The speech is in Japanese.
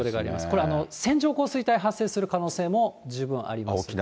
これ、線状降水帯発生する可能性も十分あります。